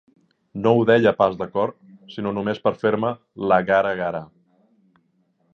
No ho deia pas de cor, sinó només per fer-me la gara-gara.